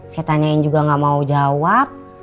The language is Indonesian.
saya tanyain juga gak mau jawab